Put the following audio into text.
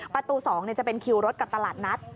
ประตู๒จะเป็นคิวรถกับตลาดนัด